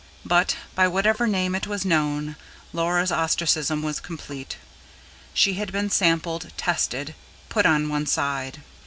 But, by whatever name it was known, Laura's ostracism was complete. She had been sampled, tested, put on one side.